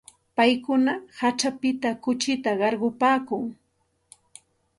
Paykuna kaćhapita kuchita qarqupaakun.